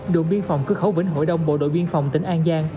đội biên phòng cước hấu vĩnh hội đông bộ đội biên phòng tỉnh an giang